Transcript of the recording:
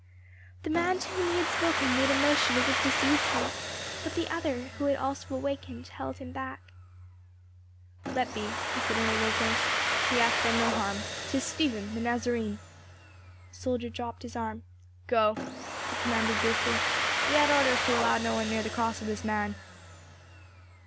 The man to whom he had spoken made a motion as if to seize him, but the other, who had also awakened, held him back. "Let be," he said in a low voice; "he hath done no harm; 'tis Stephen, the Nazarene." The soldier dropped his arm. "Go," he commanded briefly; "we had orders to allow no one near the cross of this man."